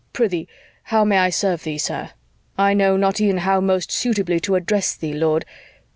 Prithee, how may I serve thee, sir? I know not e'en how most suitably to address thee, Lord